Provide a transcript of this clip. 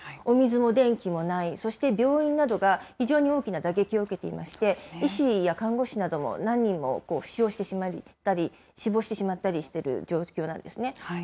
お水も電気もない、そして病院などが非常に大きな打撃を受けていまして、医師や看護師なども何人も負傷してしまったり、死亡してしまったりしている状況なんですね。